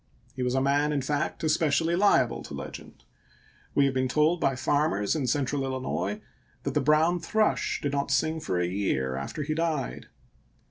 He was a man, in fact, espe cially liable to legend. We have been told by farmers in Central Illinois that the brown thrush did not sing for a year after he died.